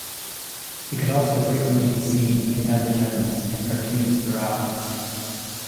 It could also frequently be seen in advertisements and cartoons throughout.